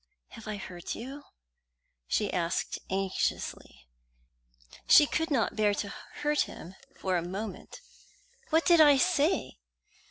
"Have I hurt you?" she asked anxiously. She could not bear to hurt him for a moment. "What did I say?"